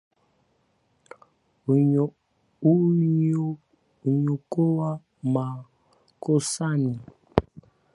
Huniokoa makosani;